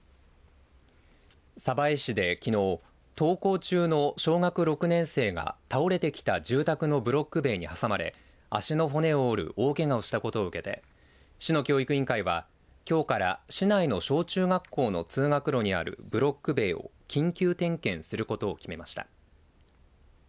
鯖江市できのう登校中の小学６年生が倒れてきた住宅のブロック塀に挟まれ足の骨を折る大けがをしたことを受けて市の教育委員会は今日から市内の小中学校の通学路にあるブロック塀を緊急点検することを決めました。